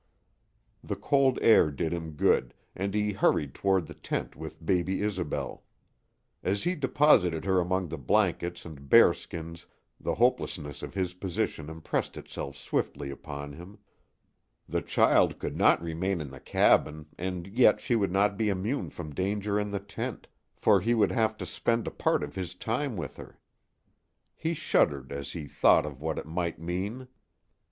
The cold air did him good, and he hurried toward the tent with baby Isobel. As he deposited her among the blankets and bearskins the hopelessness of his position impressed itself swiftly upon him. The child could not remain in the cabin, and yet she would not be immune from danger in the tent, for he would have to spend a part of his time with her. He shuddered as he thought of what it might mean.